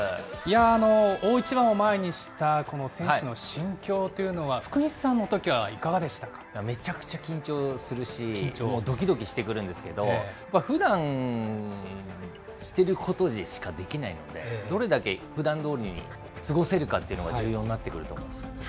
大一番を前にしたこの選手の心境というのは、福西さんのときめちゃくちゃ緊張するし、もうどきどきしてくるんですけど、ふだんしてることしかできないので、どれだけふだんどおりに過ごせるかっていうのが重要になってくると思います。